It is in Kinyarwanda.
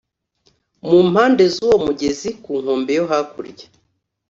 mu mpande z uwo mugezi ku nkombe yo hakurya